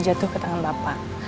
jatuh ke tangan bapak